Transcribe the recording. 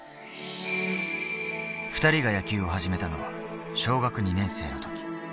２人が野球を始めたのは小学２年生の時。